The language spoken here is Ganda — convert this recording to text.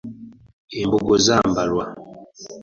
Embugo zambalwa.